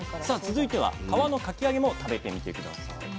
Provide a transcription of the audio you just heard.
さあ続いては皮のかき揚げも食べてみて下さい。